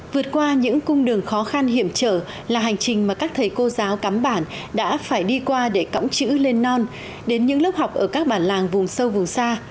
vượt qua những cung đường khó khăn hiểm trở là hành trình mà các thầy cô giáo cắm bản đã phải đi qua để cõng chữ lên non đến những lớp học ở các bản làng vùng sâu vùng xa